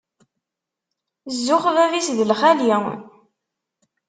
Zzux bab-is d lxali.